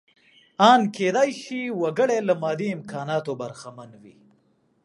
ان کېدای شي وګړی له مادي امکاناتو برخمن وي.